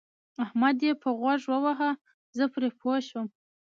احمد يې په غوږ وواهه زه پرې پوه شوم.